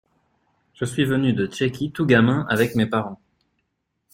Je suis venu de Tchéquie tout gamin, avec mes parents.